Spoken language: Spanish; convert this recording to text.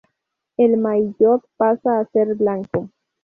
El maillot pasa a ser blanco.